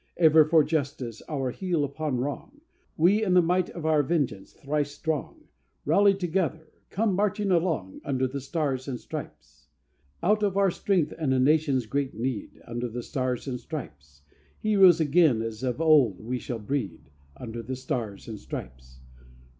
Ever for justice, our heel upon wrong, We in the might of our vengeance thrice strong Rally together! come marching along Under the Stars and Stripes! III Out of our strength and a nation's great need, Under the Stars and Stripes, Heroes again as of old we shall breed, Under the Stars and Stripes.